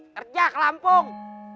kerja ke lampung